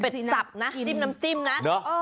เป็นสับนะจิ้มน้ำจิ้มนะ